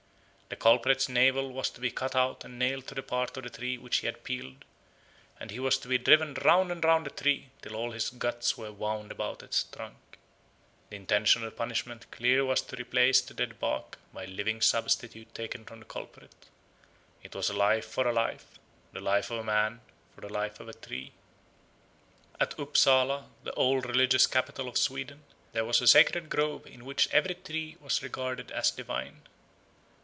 The culprit's navel was to be cut out and nailed to the part of the tree which he had peeled, and he was to be driven round and round the tree till all his guts were wound about its trunk. The intention of the punishment clearly was to replace the dead bark by a living substitute taken from the culprit; it was a life for a life, the life of a man for the life of a tree. At Upsala, the old religious capital of Sweden, there was a sacred grove in which every tree was regarded as divine.